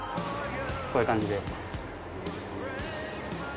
こういう感じで。